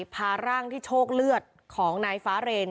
พาร่างที่โชคเลือดของนายฟ้าเรน